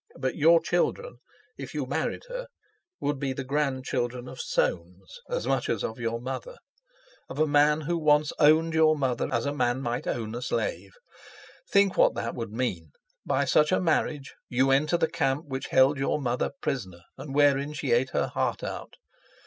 But your children, if you married her, would be the grandchildren of Soames, as much as of your mother, of a man who once owned your mother as a man might own a slave. Think what that would mean. By such a marriage you enter the camp which held your mother prisoner and wherein she ate her heart out.